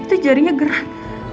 itu jarinya gerak